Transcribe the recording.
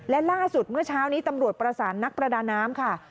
และล่าสุดเมื่อเช้านี้ตำรวจประสานนักประดาน้ำค่ะ